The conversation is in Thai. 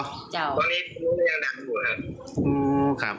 ตอนนี้ยังดังอยู่ครับ